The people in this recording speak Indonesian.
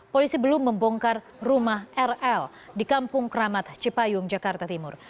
polisi belum membongkar rumah rl di kampung keramat cipayung jakarta timur